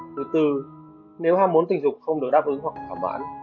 thứ tư nếu ham muốn tình dục không được đáp ứng hoặc khả bản